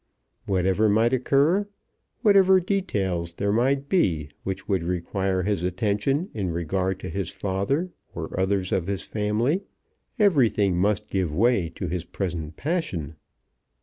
Whatever might occur, whatever details there might be which would require his attention in regard to his father or others of the family, everything must give way to his present passion.